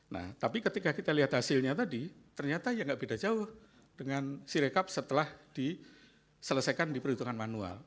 nah tapi ketika kita lihat hasilnya tadi ternyata ya nggak beda jauh dengan si rekap setelah diselesaikan di perhitungan manual